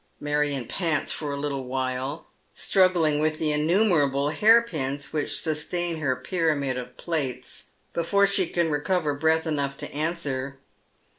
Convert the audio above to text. Marion pants for a little while, struggling with the innumerable hair j.ins which sustain her pyramid of plaits, before she can recover breath enough to answer.